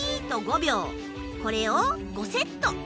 これを５セット。